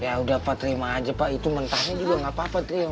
ya udah pak terima aja pak itu mentahnya juga gak apa apa terima pak